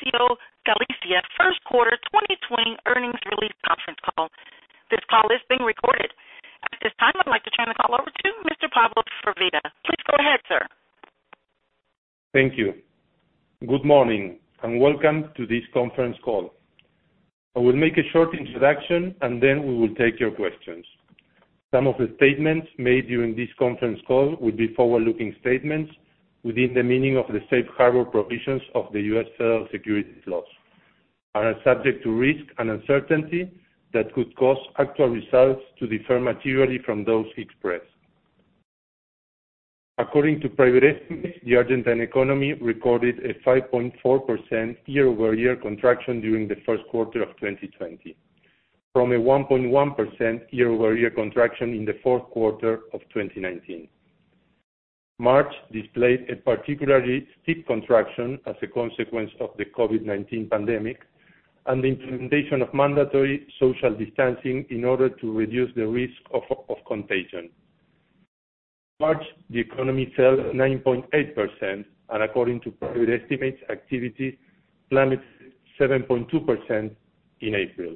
Welcome to this Grupo Financiero Galicia first quarter 2020 earnings release conference call. This call is being recorded. At this time, I'd like to turn the call over to Mr. Pablo Firvida. Please go ahead, sir. Thank you. Good morning, and welcome to this conference call. I will make a short introduction. Then we will take your questions. Some of the statements made during this conference call will be forward-looking statements within the meaning of the safe harbor provisions of the U.S. federal securities laws. Are subject to risk and uncertainty that could cause actual results to differ materially from those expressed. According to private estimates, the Argentine economy recorded a 5.4% year-over-year contraction during the first quarter of 2020, from a 1.1% year-over-year contraction in the fourth quarter of 2019. March displayed a particularly steep contraction as a consequence of the COVID-19 pandemic and the implementation of mandatory social distancing in order to reduce the risk of contagion. March, the economy fell 9.8%. According to private estimates, activity plummeted 7.2% in April.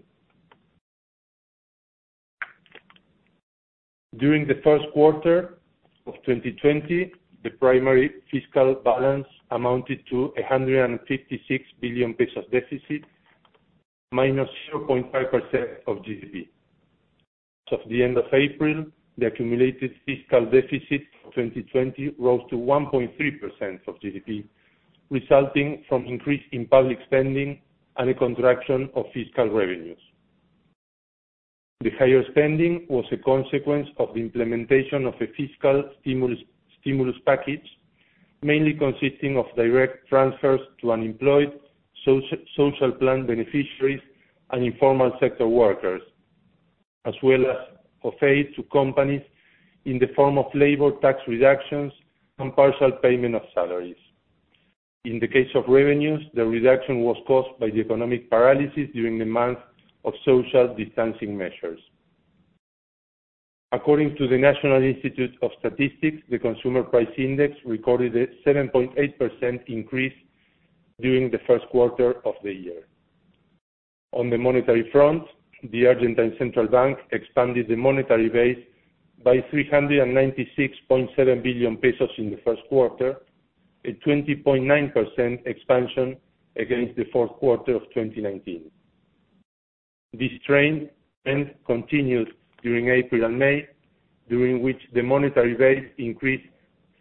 During the first quarter of 2020, the primary fiscal balance amounted to 156 billion pesos deficit, -0.5% of GDP. At the end of April, the accumulated fiscal deficit for 2020 rose to 1.3% of GDP, resulting from increase in public spending and a contraction of fiscal revenues. The higher spending was a consequence of the implementation of a fiscal stimulus package, mainly consisting of direct transfers to unemployed, social plan beneficiaries, and informal sector workers, as well as of aid to companies in the form of labor tax reductions and partial payment of salaries. In the case of revenues, the reduction was caused by the economic paralysis during the month of social distancing measures. According to the National Institute of Statistics, the consumer price index recorded a 7.8% increase during the first quarter of the year. On the monetary front, the Argentine Central Bank expanded the monetary base by 396.7 billion pesos in the first quarter, a 20.9% expansion against the fourth quarter of 2019. This trend continued during April and May, during which the monetary base increased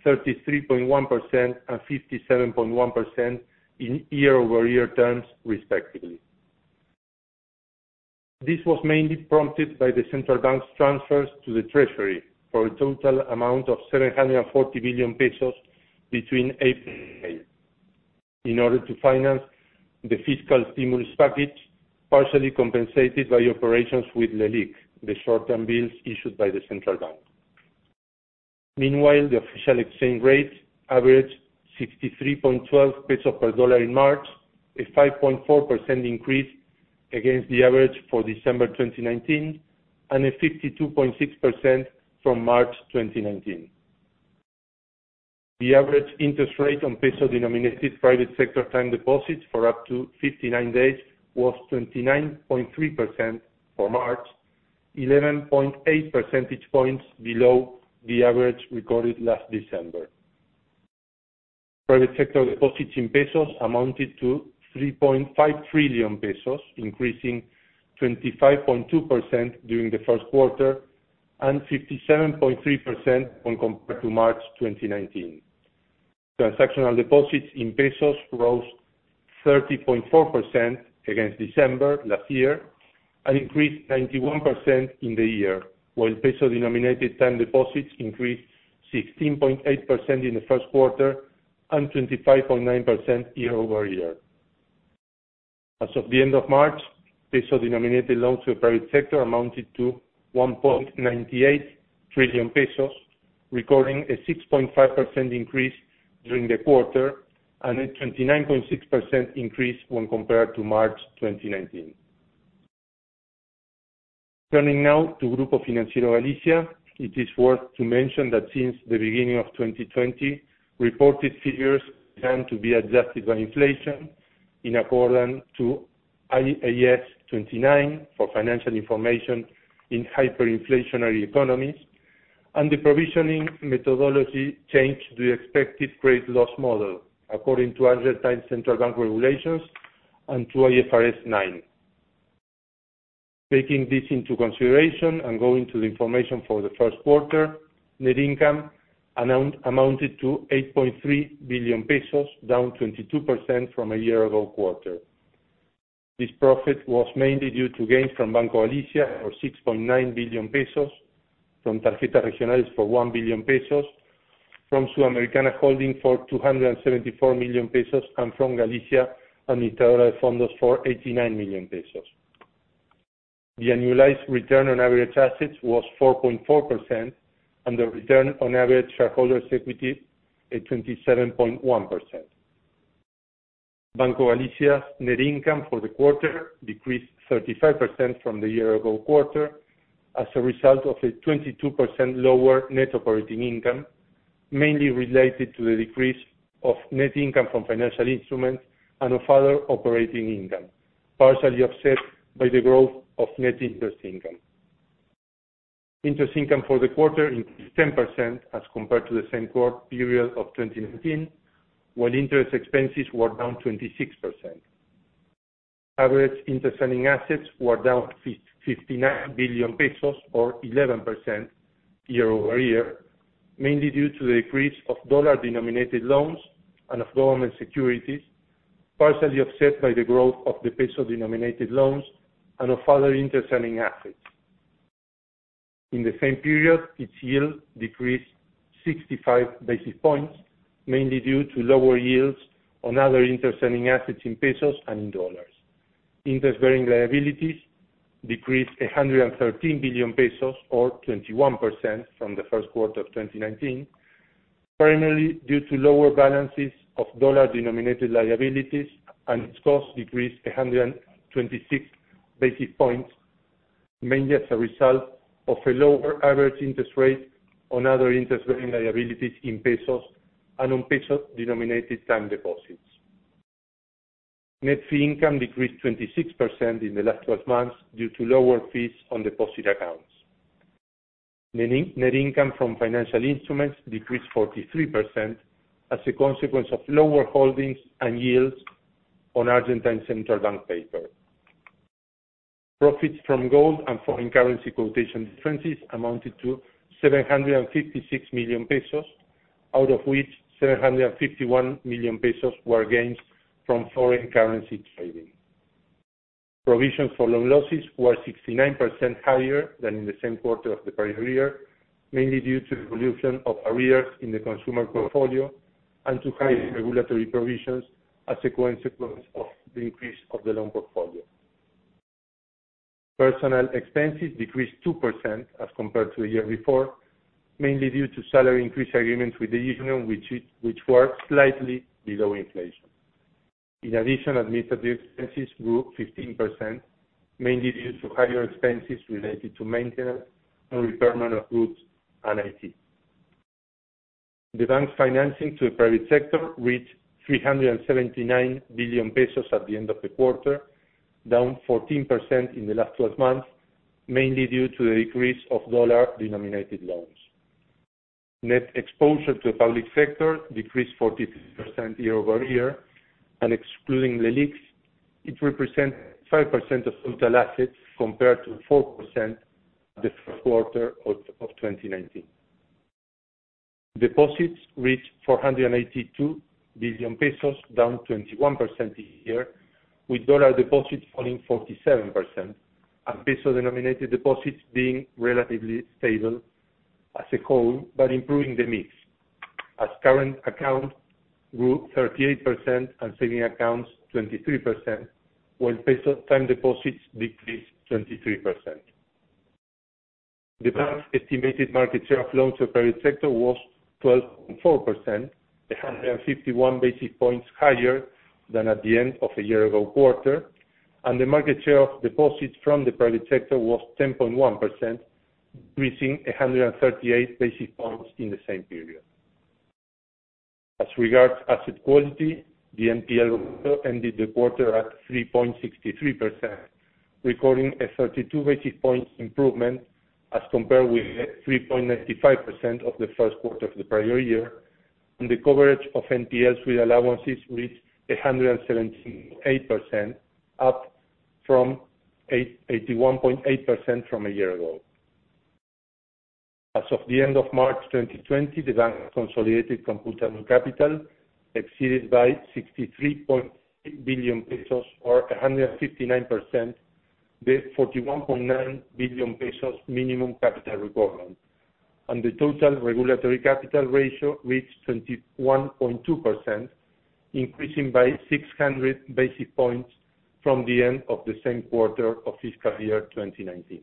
33.1% and 57.1% in year-over-year terms, respectively. This was mainly prompted by the Central Bank's transfers to the Treasury for a total amount of 740 billion pesos between April and May in order to finance the fiscal stimulus package, partially compensated by operations with LELIQ, the short-term bills issued by the Central Bank. Meanwhile, the official exchange rate averaged 63.12 pesos per USD in March, a 5.4% increase against the average for December 2019 and a 52.6% from March 2019. The average interest rate on peso-denominated private sector time deposits for up to 59 days was 29.3% for March, 11.8 percentage points below the average recorded last December. Private sector deposits in ARS amounted to 3.5 trillion pesos, increasing 25.2% during the first quarter and 57.3% when compared to March 2019. Transactional deposits in ARS rose 30.4% against December last year and increased 91% in the year. While peso-denominated time deposits increased 16.8% in the first quarter and 25.9% year-over-year. As of the end of March, peso-denominated loans to the private sector amounted to 1.98 trillion pesos, recording a 6.5% increase during the quarter and a 29.6% increase when compared to March 2019. Turning now to Grupo Financiero Galicia, it is worth to mention that since the beginning of 2020, reported figures tend to be adjusted by inflation in accordance to IAS 29 for financial information in hyperinflationary economies, and the provisioning methodology changed the expected credit loss model according to Argentine Central Bank regulations and to IFRS 9. Taking this into consideration and going to the information for the first quarter, net income amounted to 8.3 billion pesos, down 22% from a year-ago quarter. This profit was mainly due to gains from Banco Galicia for 6.9 billion pesos, from Tarjetas Regionales for 1 billion pesos, from Sudamericana Holding for 274 million pesos, and from Galicia Administradora de Fondos for 89 million pesos. The annualized return on average assets was 4.4%, and the return on average shareholders' equity, at 27.1%. Banco Galicia's net income for the quarter decreased 35% from the year-ago quarter as a result of a 22% lower net operating income, mainly related to the decrease of net income from financial instruments and of other operating income, partially offset by the growth of net interest income. Interest income for the quarter increased 10% as compared to the same period of 2019, while interest expenses were down 26%. Average interest-earning assets were down 59 billion pesos, or 11%, year-over-year, mainly due to the decrease of dollar-denominated loans and of government securities, partially offset by the growth of the peso-denominated loans and of other interest-earning assets. In the same period, its yield decreased 65 basis points, mainly due to lower yields on other interest-earning assets in pesos and in dollars. Interest-bearing liabilities decreased 113 billion pesos, or 21%, from the first quarter of 2019, primarily due to lower balances of USD-denominated liabilities, and its cost decreased 126 basis points, mainly as a result of a lower average interest rate on other interest-bearing liabilities in ARS and on ARS-denominated time deposits. Net fee income decreased 26% in the last 12 months due to lower fees on deposit accounts. Net income from financial instruments decreased 43% as a consequence of lower holdings and yields on Argentine Central Bank paper. Profits from gold and foreign currency quotation differences amounted to 756 million pesos, out of which 751 million pesos were gains from foreign currency trading. Provisions for loan losses were 69% higher than in the same quarter of the prior year, mainly due to the reduction of arrears in the consumer portfolio and to higher regulatory provisions as a consequence of the increase of the loan portfolio. Personnel expenses decreased 2% as compared to a year before, mainly due to salary increase agreements with the union, which were slightly below inflation. Administrative expenses grew 15%, mainly due to higher expenses related to maintenance and retirement of goods and IT. The bank's financing to the private sector reached 379 billion pesos at the end of the quarter, down 14% in the last 12 months, mainly due to the decrease of dollar-denominated loans. Net exposure to the public sector decreased 14% year-over-year, and excluding the LELIQs, it represents 5% of total assets compared to 4% the first quarter of 2019. Deposits reached 482 billion pesos, down 21% year-over-year, with dollar deposits falling 47%, and peso-denominated deposits being relatively stable as a whole, but improving the mix, as current accounts grew 38% and savings accounts 23%, while peso time deposits decreased 23%. The bank's estimated market share of loans to the private sector was 12.4%, 151 basis points higher than at the end of the year-ago quarter, and the market share of deposits from the private sector was 10.1%, increasing 138 basis points in the same period. As regards asset quality, the NPL ratio ended the quarter at 3.63%, recording a 32 basis points improvement as compared with the 3.95% of the first quarter of the prior year, and the coverage of NPLs with allowances reached 178%, up from 81.8% from a year ago. As of the end of March 2020, the bank's consolidated computational capital exceeded by 63.8 billion pesos, or 159%, the 41.9 billion pesos minimum capital requirement, and the total regulatory capital ratio reached 21.2%, increasing by 600 basis points from the end of the same quarter of fiscal year 2019.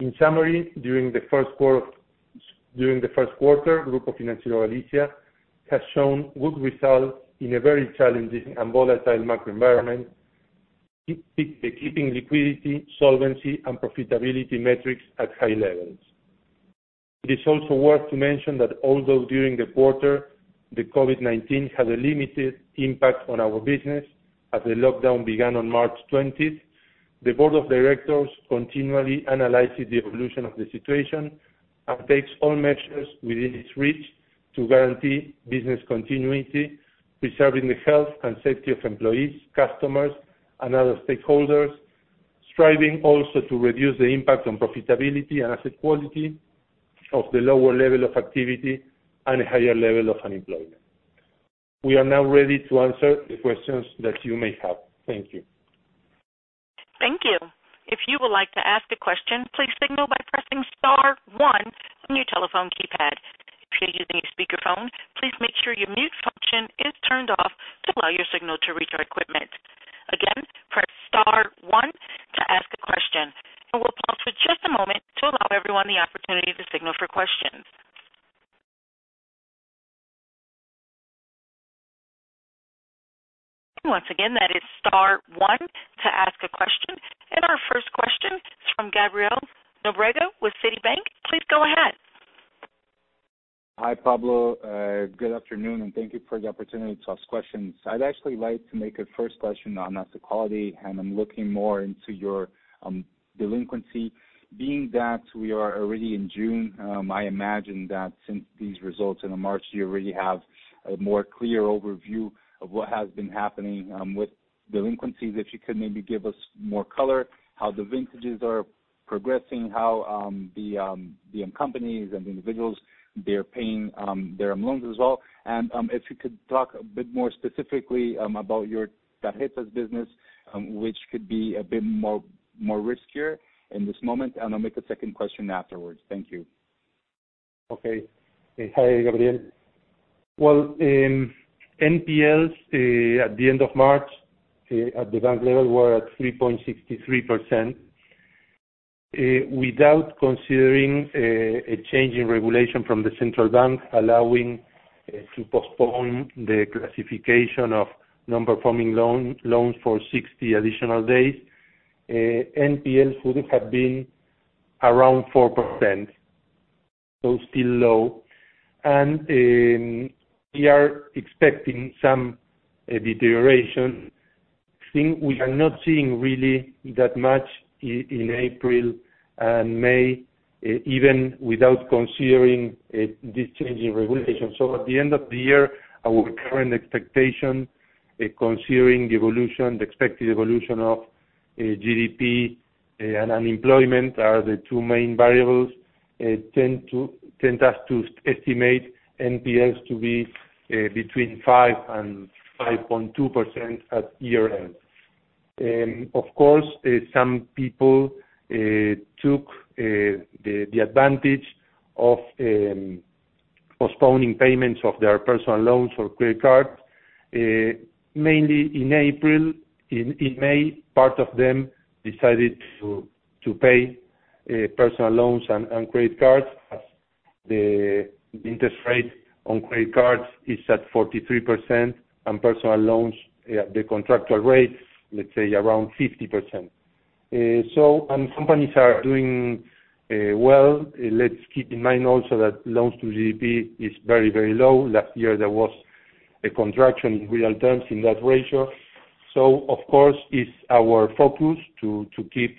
In summary, during the first quarter, Grupo Financiero Galicia has shown good results in a very challenging and volatile macro environment, keeping liquidity, solvency, and profitability metrics at high levels. It is also worth to mention that although during the quarter, the COVID-19 had a limited impact on our business, as the lockdown began on March 20th, the Board of Directors continually analyzes the evolution of the situation and takes all measures within its reach to guarantee business continuity, preserving the health and safety of employees, customers, and other stakeholders, striving also to reduce the impact on profitability and asset quality of the lower level of activity and a higher level of unemployment. We are now ready to answer the questions that you may have. Thank you. Thank you. If you would like to ask a question, please signal by pressing star one on your telephone keypad. If you are using a speakerphone, please make sure your mute function is turned off to allow your signal to reach our equipment. Allow everyone the opportunity to signal for questions. Once again, that is star one to ask a question. Our first question is from Gabriel Nóbrega with Citibank. Please go ahead. Hi, Pablo. Good afternoon, and thank you for the opportunity to ask questions. I'd actually like to make a first question on asset quality, and I'm looking more into your delinquency. Being that we are already in June, I imagine that since these results in March, you already have a more clear overview of what has been happening with delinquencies. If you could maybe give us more color, how the vintages are progressing, how the companies and individuals, they are paying their loans as well. If you could talk a bit more specifically about your Tarjetas business, which could be a bit more riskier in this moment, and I'll make a second question afterwards. Thank you. Okay. Hi, Gabriel. NPLs, at the end of March, at the bank level, were at 3.63%. Without considering a change in regulation from the Central Bank allowing to postpone the classification of non-performing loans for 60 additional days, NPLs would have been around 4%. Still low. We are expecting some deterioration. We are not seeing really that much in April and May, even without considering this change in regulation. At the end of the year, our current expectation, considering the expected evolution of GDP and unemployment, are the two main variables, tends us to estimate NPLs to be between 5% and 5.2% at year-end. Of course, some people took the advantage of postponing payments of their personal loans or credit cards, mainly in April. In May, part of them decided to pay personal loans and credit cards, as the interest rate on credit cards is at 43%, and personal loans, the contractual rate, let's say, around 50%. Companies are doing well. Let's keep in mind also that loans to GDP is very, very low. Last year, there was a contraction in real terms in that ratio. Of course, it's our focus to keep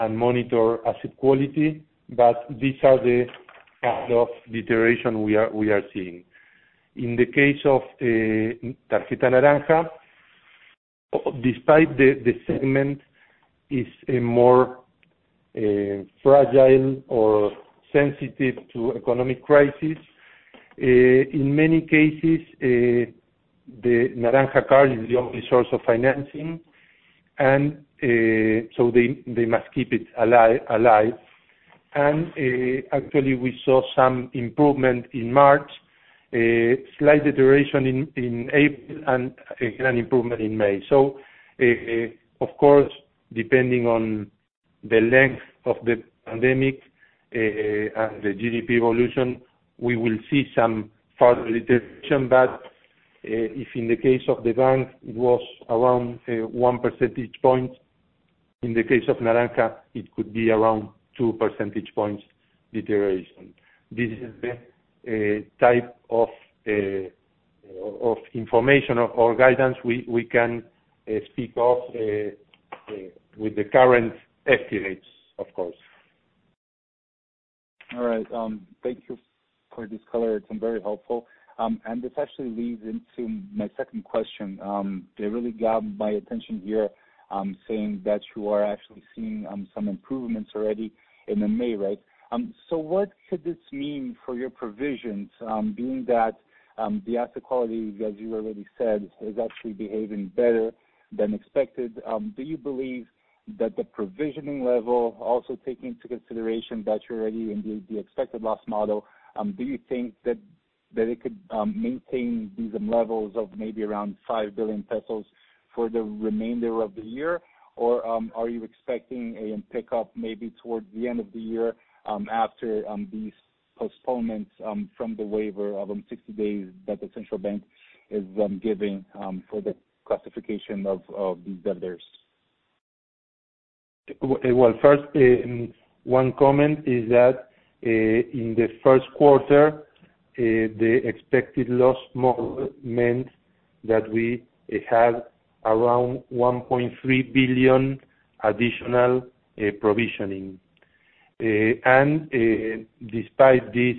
and monitor asset quality, but these are the kind of deterioration we are seeing. In the case of Tarjeta Naranja, despite the segment is a more fragile or sensitive to economic crisis, in many cases, the Naranja card is the only source of financing, they must keep it alive. Actually, we saw some improvement in March, slight deterioration in April, and again, improvement in May. Of course, depending on the length of the pandemic and the GDP evolution, we will see some further deterioration. If in the case of the bank, it was around one percentage point, in the case of Naranja, it could be around two percentage points deterioration. This is the type of information or guidance we can speak of with the current estimates, of course. All right. Thank you for this color. It's been very helpful. This actually leads into my second question. It really grabbed my attention here, saying that you are actually seeing some improvements already in May, right? What could this mean for your provisions, being that the asset quality, as you already said, is actually behaving better than expected? Do you believe that the provisioning level, also taking into consideration that you're already in the expected loss model, do you think that it could maintain these levels of maybe around 5 billion pesos for the remainder of the year? Are you expecting a pickup maybe towards the end of the year after these postponements from the waiver of 60 days that the central bank is giving for the classification of these debtors? Well, first, one comment is that in the first quarter, the expected credit loss model meant that we had around 1.3 billion additional provisioning. Despite this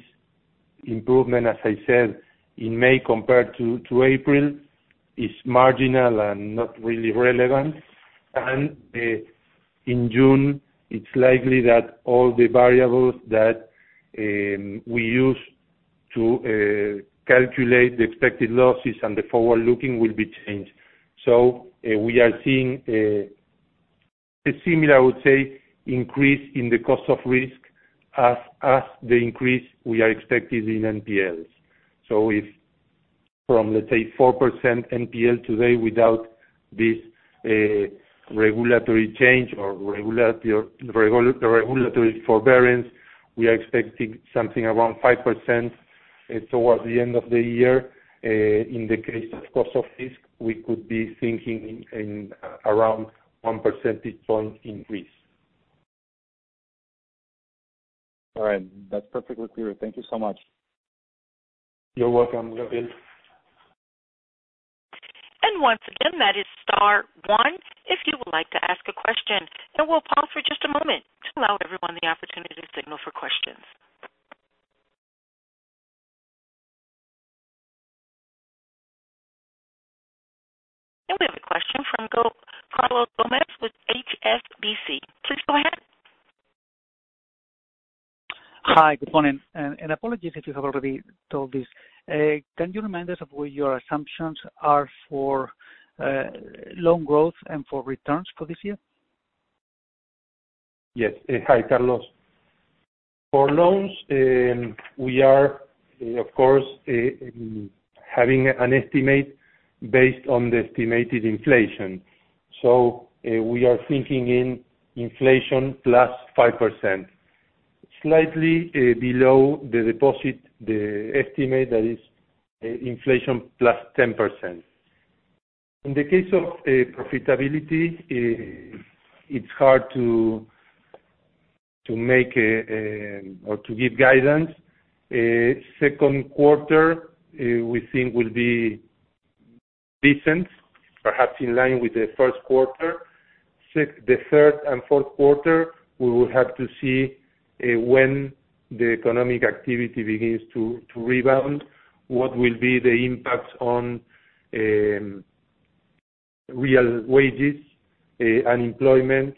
improvement, as I said, in May compared to April, it's marginal and not really relevant. In June, it's likely that all the variables that we use to calculate the expected losses and the forward-looking will be changed. We are seeing a similar, I would say, increase in the cost of risk as the increase we are expecting in NPLs. From, let's say, 4% NPL today without this regulatory change or the regulatory forbearance. We are expecting something around 5% towards the end of the year. In the case of cost of risk, we could be thinking in around one percentage point increase. All right. That's perfectly clear. Thank you so much. You're welcome, Gabriel. Once again, that is star one if you would like to ask a question. We'll pause for just a moment to allow everyone the opportunity to signal for questions. We have a question from Carlos Gomez with HSBC. Please go ahead. Hi, good morning, and apologies if you have already told this. Can you remind us of what your assumptions are for loan growth and for returns for this year? Yes. Hi, Carlos. For loans, we are of course having an estimate based on the estimated inflation. We are thinking in inflation plus 5%, slightly below the deposit, the estimate that is inflation plus 10%. In the case of profitability, it's hard to give guidance. Second quarter, we think will be decent, perhaps in line with the first quarter. The third and fourth quarter, we will have to see when the economic activity begins to rebound, what will be the impact on real wages, unemployment.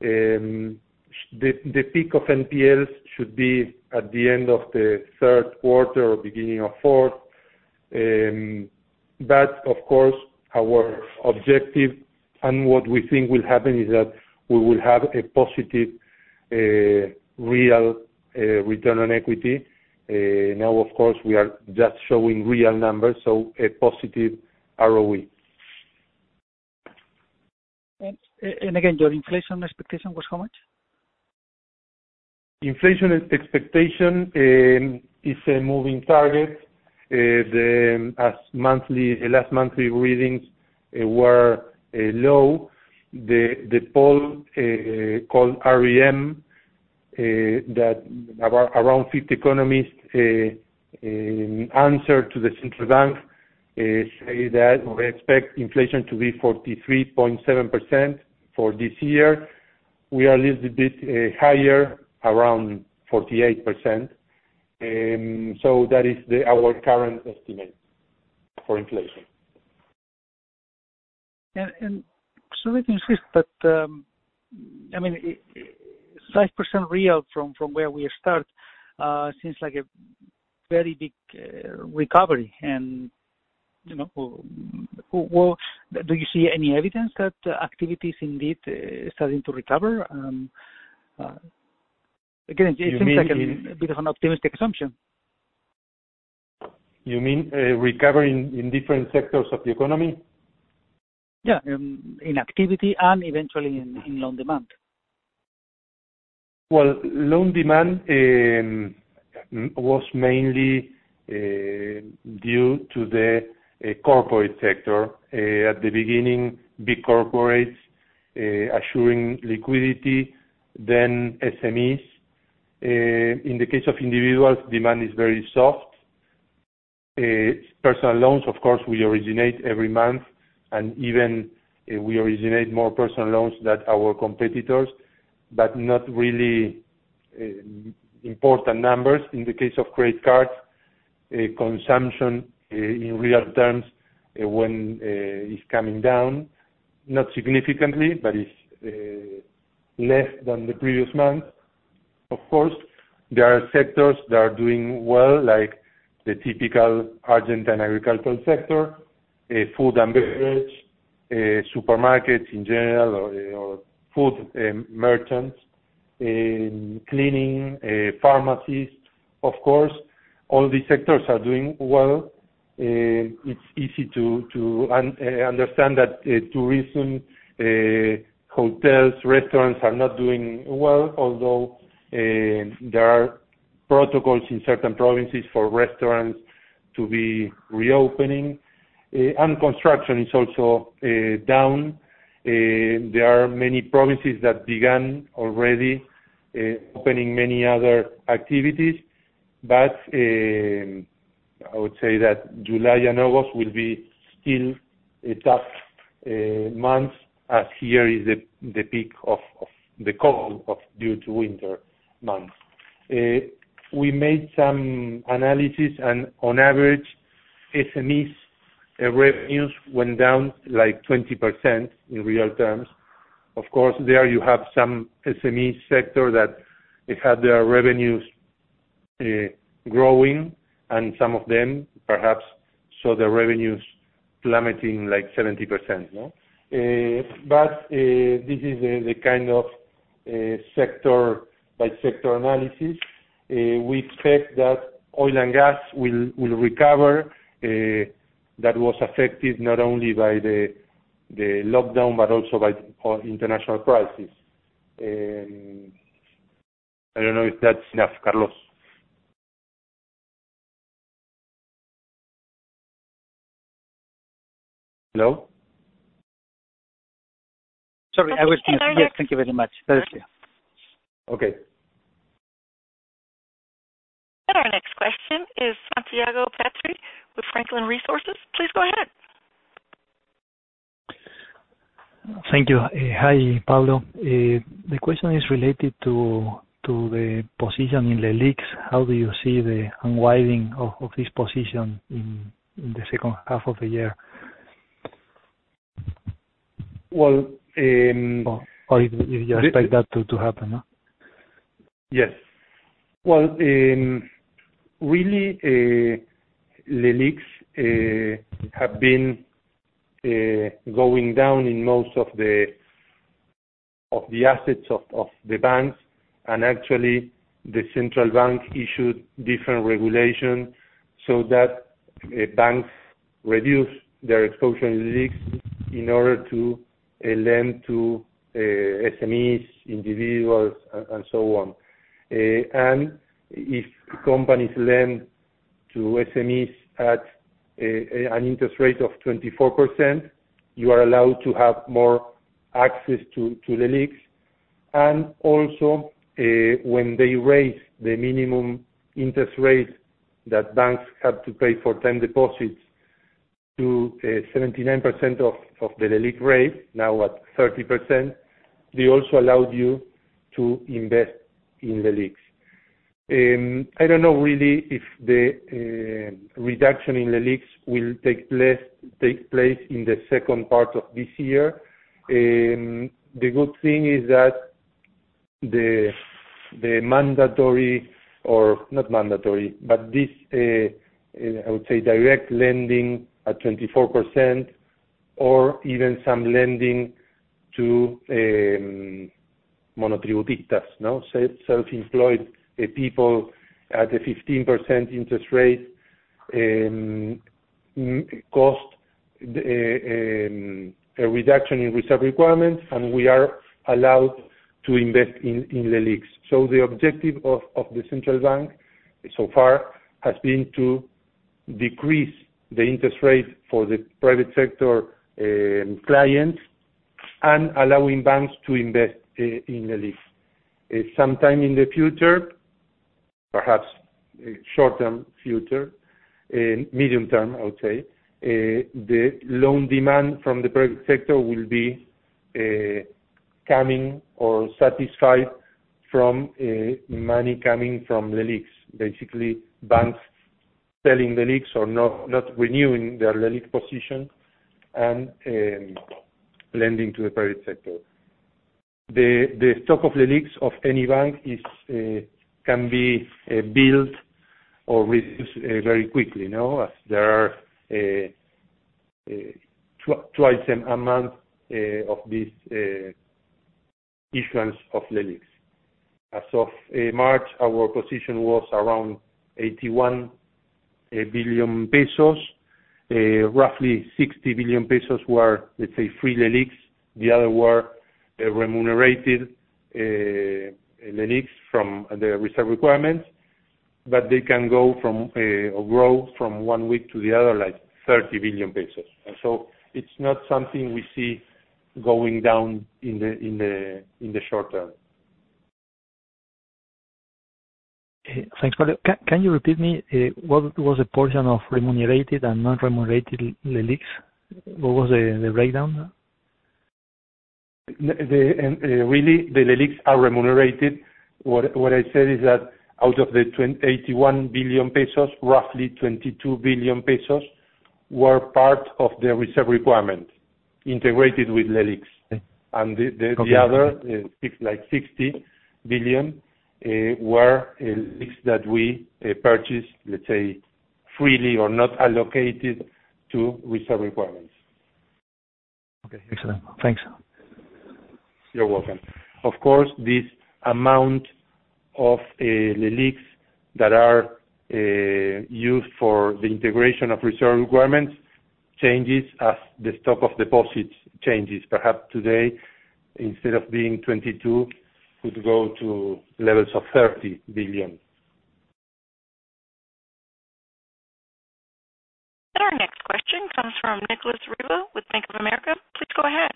The peak of NPLs should be at the end of the third quarter or beginning of fourth. Of course our objective and what we think will happen is that we will have a positive real return on equity. Now, of course, we are just showing real numbers, so a positive ROE. Again, your inflation expectation was how much? Inflation expectation is a moving target. The last monthly readings were low. The poll called REM, that around 50 economists answer to the Central Bank, say that they expect inflation to be 43.7% for this year. We are a little bit higher, around 48%. That is our current estimate for inflation. Sorry to insist, but 5% real from where we start, seems like a very big recovery. Do you see any evidence that activity is indeed starting to recover? Again, it seems like a bit of an optimistic assumption. You mean recovering in different sectors of the economy? Yeah, in activity and eventually in loan demand. Well, loan demand was mainly due to the corporate sector. At the beginning, big corporates assuring liquidity, then SMEs. In the case of individuals, demand is very soft. Personal loans, of course, we originate every month. Even we originate more personal loans than our competitors, but not really important numbers. In the case of credit cards, consumption in real terms when it's coming down, not significantly, but it's less than the previous month. Of course, there are sectors that are doing well, like the typical Argentine agricultural sector, food and beverage, supermarkets in general, or food merchants, cleaning, pharmacies, of course. All these sectors are doing well. It's easy to understand that tourism, hotels, restaurants are not doing well, although there are protocols in certain provinces for restaurants to be reopening. Construction is also down. There are many provinces that began already opening many other activities. I would say that July and August will be still tough months as here is the peak of the cold of due to winter months. We made some analysis, and on average, SMEs revenues went down 20% in real terms. Of course, there you have some SME sector that it had their revenues growing, and some of them perhaps saw their revenues plummeting like 70%, no? This is the kind of sector-by-sector analysis. We expect that oil and gas will recover. That was affected not only by the lockdown, but also by international crisis. I don't know if that's enough, Carlos. Hello? Sorry. I was mute. Okay. Go ahead. Thank you very much. Perfect. Okay. Our next question is Santiago Petri with Franklin Templeton. Please go ahead. Thank you. Hi, Pablo. The question is related to the position in the LELIQs. How do you see the unwinding of this position in the second half of the year? Well- If you expect that to happen? Yes. Well, really, LELIQs have been going down in most of the assets of the banks. Actually, the Central Bank issued different regulations so that banks reduce their exposure LELIQs in order to lend to SMEs, individuals, and so on. If companies lend to SMEs at an interest rate of 24%, you are allowed to have more access to LELIQs. Also, when they raise the minimum interest rate that banks have to pay for time deposits to 79% of the LELIQ rate, now at 30%, they also allowed you to invest in LELIQs. I don't know really if the reduction in LELIQs will take place in the second part of this year. The good thing is that the mandatory, or not mandatory, but this, I would say direct lending at 24%, or even some lending to monotributistas, self-employed people at a 15% interest rate, cost a reduction in reserve requirements, and we are allowed to invest in LELIQs. The objective of the Central Bank so far has been to decrease the interest rate for the private sector clients and allowing banks to invest in LELIQs. Sometime in the future, perhaps short-term future, medium-term, I would say, the loan demand from the private sector will be coming or satisfied from money coming from LELIQs. Basically, banks selling LELIQs or not renewing their LELIQ position and lending to the private sector. The stock of LELIQs of any bank can be built or reduced very quickly. There are twice an amount of these issuance of LELIQs. As of March, our position was around 81 billion pesos. Roughly 60 billion pesos were, let's say, free LELIQs. The other were remunerated LELIQs from the reserve requirements. They can grow from one week to the other, like 30 billion pesos. It's not something we see going down in the short term. Thanks, Pablo. Can you repeat me, what was the portion of remunerated and non-remunerated LELIQs? What was the breakdown there? Really, the LELIQs are remunerated. What I said is that out of the 81 billion pesos, roughly 22 billion pesos were part of the reserve requirement integrated with LELIQs. Okay. The other, like 60 billion, were LELIQs that we purchased, let's say, freely or not allocated to reserve requirements. Okay. Excellent. Thanks. You're welcome. Of course, this amount of LELIQs that are used for the integration of reserve requirements changes as the stock of deposits changes. Perhaps today, instead of being 22 billion, could go to levels of 30 billion. Our next question comes from Nicolas Riva with Bank of America. Please go ahead.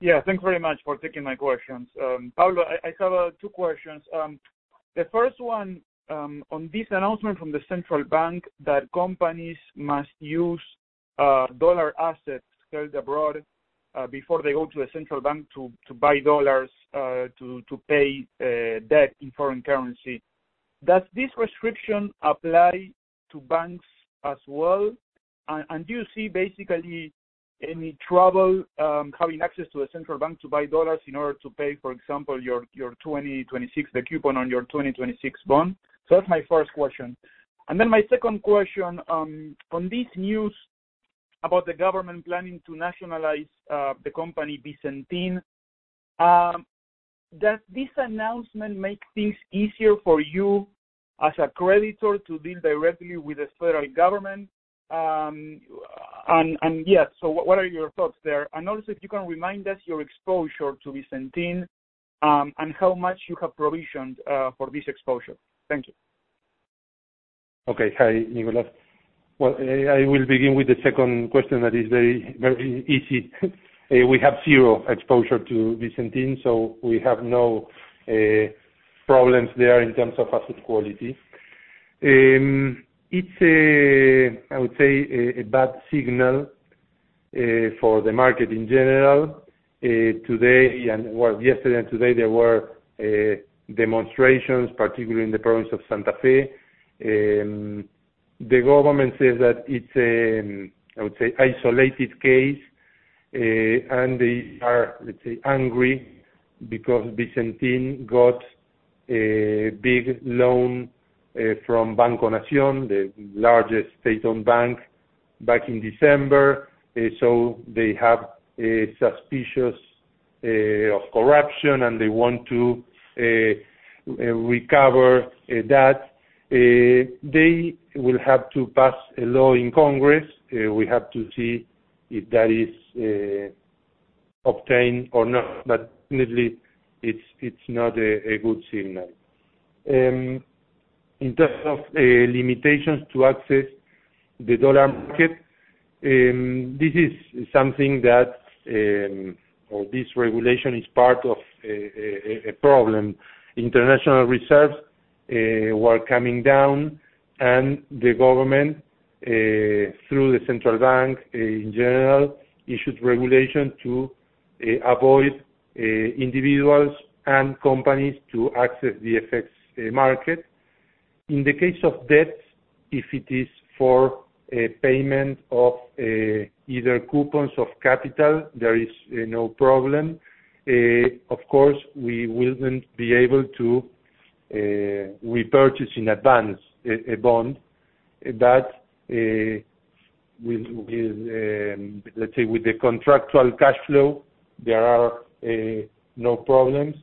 Yeah. Thanks very much for taking my questions. Pablo, I have two questions. The first one, on this announcement from the Central Bank that companies must use dollar assets held abroad before they go to a Central Bank to buy dollars to pay debt in foreign currency, does this restriction apply to banks as well? Do you see any trouble having access to a Central Bank to buy dollars in order to pay, for example, the coupon on your 2026 bond? That's my first question. My second question, on this news about the government planning to nationalize the company Vicentin, does this announcement make things easier for you as a creditor to deal directly with the federal government? Yeah, what are your thoughts there? Also, if you can remind us your exposure to Vicentin, and how much you have provisioned for this exposure. Thank you. Okay. Hi, Nicolas. Well, I will begin with the second question that is very easy. We have zero exposure to Vicentin, so we have no problems there in terms of asset quality. It's, I would say, a bad signal for the market in general. Yesterday and today, there were demonstrations, particularly in the province of Santa Fe. The government says that it's a, I would say, isolated case. They are, let's say, angry because Vicentin got a big loan from Banco Nación, the largest state-owned bank, back in December. They have a suspicion of corruption, and they want to recover that. They will have to pass a law in Congress. We have to see if that is obtained or not. Definitely, it's not a good signal. In terms of limitations to access the dollar market, this regulation is part of a problem. International reserves were coming down. The government, through the Central Bank, in general, issued regulation to avoid individuals and companies to access the FX market. In the case of debts, if it is for a payment of either coupons of capital, there is no problem. Of course, we wouldn't be able to repurchase, in advance, a bond. Let's say, with the contractual cash flow, there are no problems.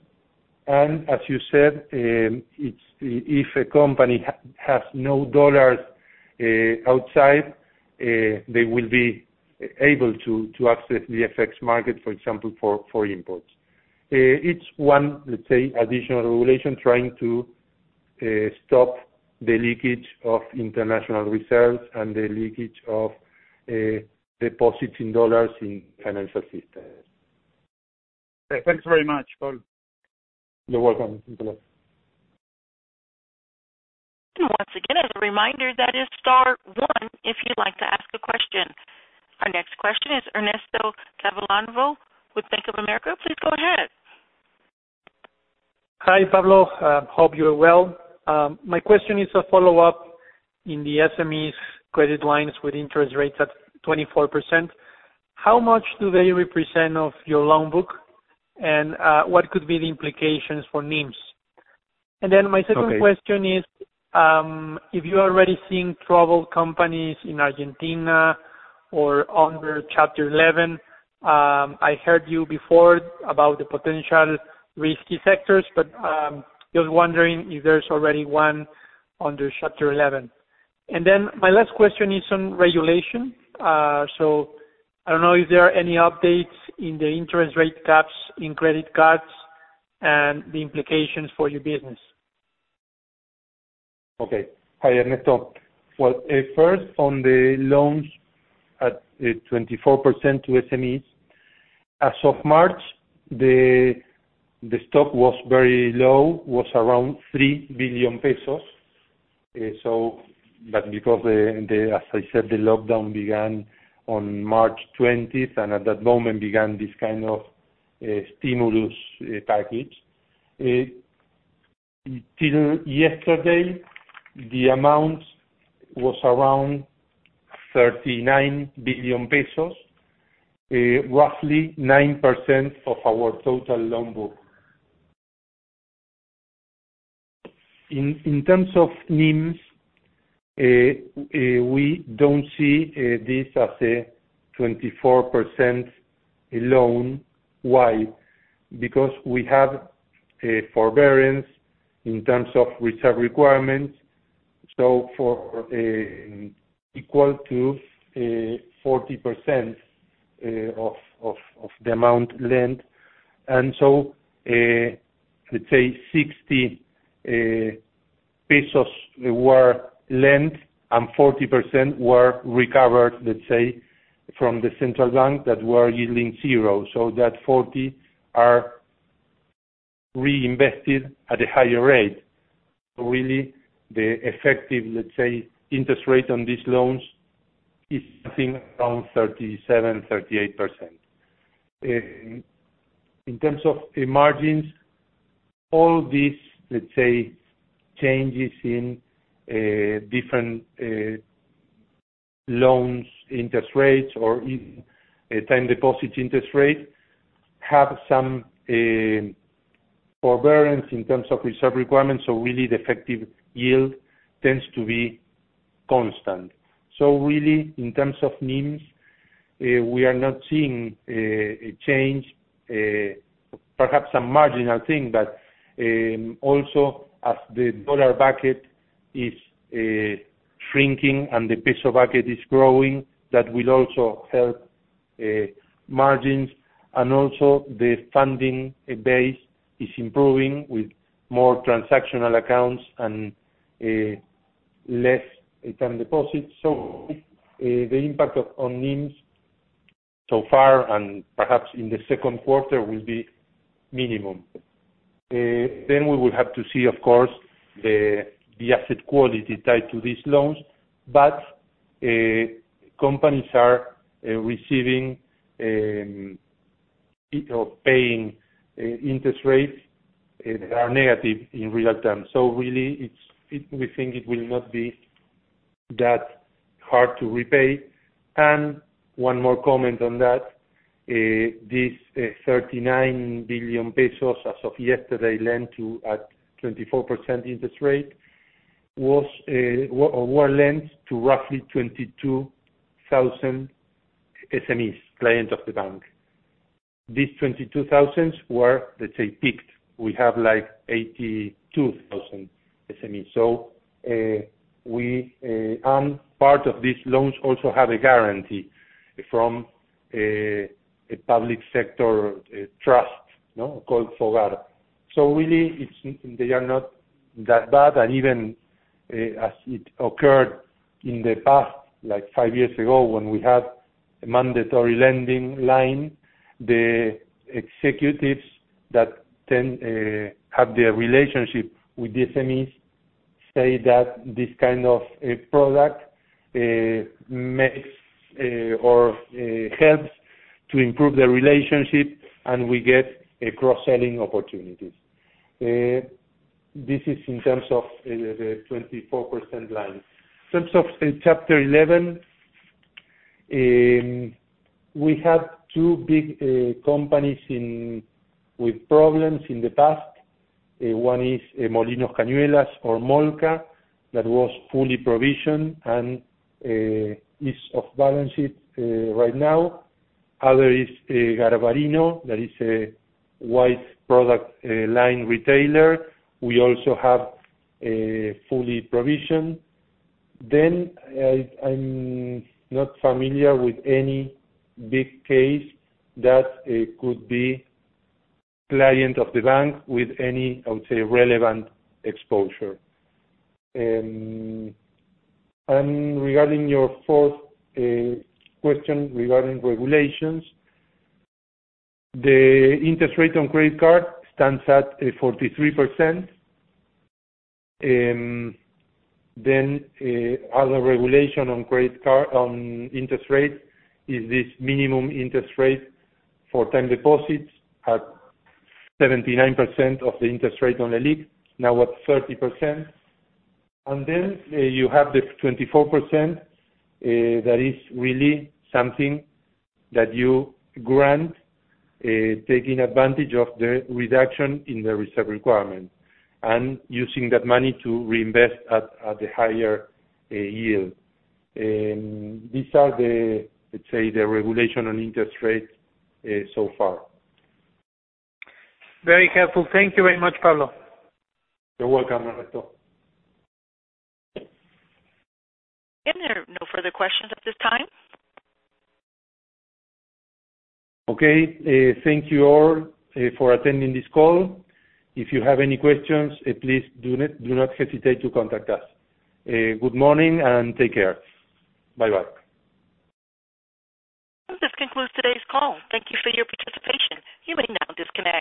As you said, if a company has no dollars outside, they will be able to access the FX market, for example, for imports. It's one, let's say, additional regulation trying to stop the leakage of international reserves and the leakage of deposits in dollars in financial systems. Thanks very much, Pablo. You're welcome, Nicolas. Once again, as a reminder, that is star one if you'd like to ask a question. Our next question is Ernesto Gabilondo with Bank of America. Please go ahead. Hi, Pablo. Hope you're well. My question is a follow-up in the SMEs credit lines with interest rates at 24%. How much do they represent of your loan book? What could be the implications for NIMs? My second question is, if you are already seeing troubled companies in Argentina or under Chapter 11. I heard you before about the potential risky sectors, just wondering if there's already one under Chapter 11. My last question is on regulation. I don't know if there are any updates in the interest rate caps in credit cards and the implications for your business. Okay. Hi, Ernesto. First on the loans at 24% to SMEs. As of March, the stock was very low, was around 3 billion pesos. Because, as I said, the lockdown began on March 20th, and at that moment began this kind of stimulus package. Till yesterday, the amount was around ARS 39 billion, roughly 9% of our total loan book. In terms of NIMs, we don't see this as a 24% loan. Why? Because we have a forbearance in terms of reserve requirements, so equal to 40% of the amount lent. Let's say ARS 60 were lent and 40% were recovered, let's say, from the Central Bank that were yielding zero, so that 40 are reinvested at a higher rate. Really, the effective, let's say, interest rate on these loans is something around 37%, 38%. In terms of margins. All these, let's say, changes in different loans, interest rates, or time deposit interest rate, have some forbearance in terms of reserve requirements. Really, the effective yield tends to be constant. Really, in terms of NIMs, we are not seeing a change, perhaps a marginal thing. Also, as the dollar bucket is shrinking and the peso bucket is growing, that will also help margins, and also the funding base is improving with more transactional accounts and less term deposits. The impact on NIMs so far, and perhaps in the second quarter, will be minimum. We will have to see, of course, the asset quality tied to these loans. Companies are receiving or paying interest rates that are negative in real time. Really, we think it will not be that hard to repay. One more comment on that, this 39 billion pesos, as of yesterday, lent to at 24% interest rate, were lent to roughly 22,000 SMEs, clients of the bank. These 22,000 were, let's say, picked. We have 82,000 SMEs. Part of these loans also have a guarantee from a public sector trust called FOGAR. Really, they are not that bad, and even as it occurred in the past, like five years ago, when we had a mandatory lending line, the executives that then had the relationship with the SMEs say that this kind of product makes or helps to improve the relationship, and we get cross-selling opportunities. This is in terms of the 24% line. In terms of Chapter 11, we had two big companies with problems in the past. One is Molino Cañuelas or MOLCA, that was fully provisioned and is off balance sheet right now. Other is Garbarino, that is a white product line retailer. We also have fully provisioned. I'm not familiar with any big case that could be client of the bank with any, I would say, relevant exposure. Regarding your fourth question regarding regulations, the interest rate on credit card stands at 43%. Other regulation on interest rate is this minimum interest rate for time deposits at 79% of the interest rate on the LELIQ, now at 30%. You have the 24%, that is really something that you grant, taking advantage of the reduction in the reserve requirement, and using that money to reinvest at the higher yield. These are the, let's say, the regulation on interest rates so far. Very helpful. Thank you very much, Pablo. You're welcome, Ernesto. There are no further questions at this time. Okay. Thank you all for attending this call. If you have any questions, please do not hesitate to contact us. Good morning and take care. Bye-bye. This concludes today's call. Thank you for your participation. You may now disconnect.